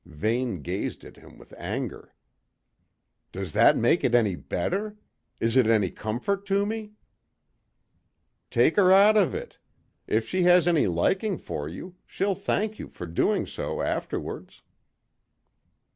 Vane gazed at him with anger. "Does that make it any better? Is it any comfort to me?" "Take her out of it. If she has any liking for you, she'll thank you for doing so afterwards."